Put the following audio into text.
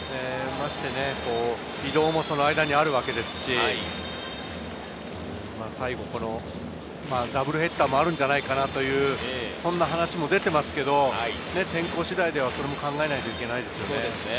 移動も間にあるわけですし、最後、ダブルヘッダーもあるんじゃないかなという、そんな話も出ていますけれど、天候次第ではそれも考えないといけないですよね。